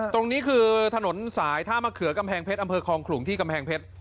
ตรงนี้คือถนนสายท่ามะเขือกำแพงเพชรอำเภอคลองขลุงที่กำแพงเพชร